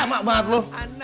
mak banget lo